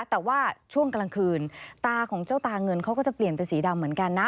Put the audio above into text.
แต่ว่าช่วงกลางคืนตาของเจ้าตาเงินเขาก็จะเปลี่ยนเป็นสีดำเหมือนกันนะ